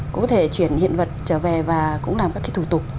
cũng có thể chuyển hiện vật trở về và cũng làm các cái thủ tục